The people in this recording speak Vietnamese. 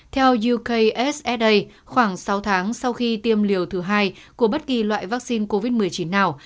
theo yoksa khoảng sáu tháng sau khi tiêm liều thứ hai của bất kỳ loại vaccine covid một mươi chín nào